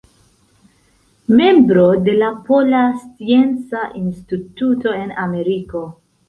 Membro de la Pola Scienca Instituto en Ameriko.